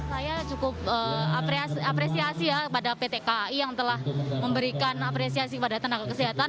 saya cukup apresiasi ya kepada pt kai yang telah memberikan apresiasi kepada tenaga kesehatan